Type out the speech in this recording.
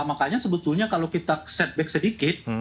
makanya sebetulnya kalau kita setback sedikit